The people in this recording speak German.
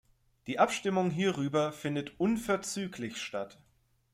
Die Abstimmung hierüber findet unverzüglich statt.